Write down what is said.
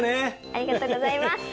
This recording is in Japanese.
ありがとうございます！